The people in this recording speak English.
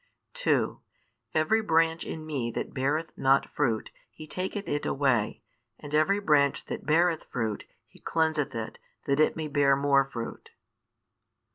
2 Every branch in Me that beareth not fruit, He taketh it away: and every branch that beareth fruit, He cleanseth it, that it may bear more fruit.